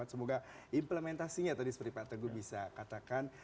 semoga implementasinya tadi seperti pak teguh bisa katakan